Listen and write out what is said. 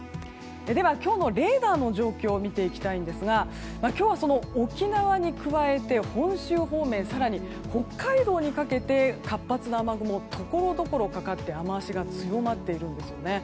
では、今日のレーダーの状況を見ていきたいんですが今日は沖縄に加えて本州方面や更に、北海道にかけて活発な雨雲がところどころ、かかって雨脚が強まっているんですね。